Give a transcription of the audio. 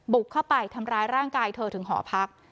บุกเข้าไปทำร้ายร่างกายเธอถึงหอพัก